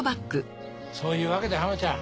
そういうわけでハマちゃん。